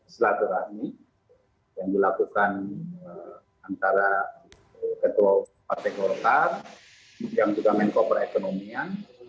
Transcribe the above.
silaturahmi yang dilakukan antara ketua partai golkar yang juga menko perekonomian